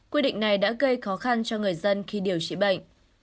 quy định này đã gây khó khăn cho người dân khi điều trị bệnh